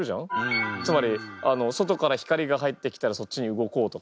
つまり外から光が入ってきたらそっちに動こうとか。